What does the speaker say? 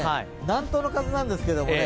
南東の風なんですけれどもね